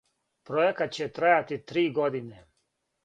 Пројекат ће трајати три године.